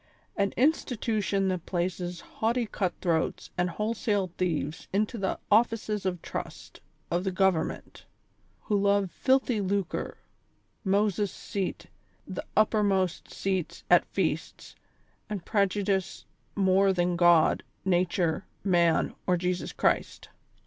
An institution that places haughty cut throats and wholesale thieves into the offices of trust of the govern ment ; who love filthy lucre, Moaes'' seat, the uppermost seats at feasts and prejudice more than God, Xature, Man or Jesus Christ.